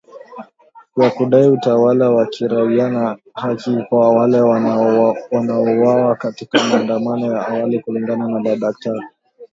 ya kudai utawala wa kiraia na haki kwa wale waliouawa katika maandamano ya awali kulingana na madaktari